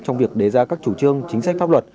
trong việc đề ra các chủ trương chính sách pháp luật